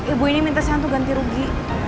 ibu ini minta saya untuk ganti rugi